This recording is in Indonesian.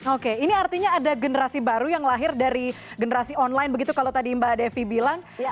oke ini artinya ada generasi baru yang lahir dari generasi online begitu kalau tadi mbak devi bilang